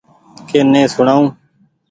ڪي ني سمجهاڻو ۔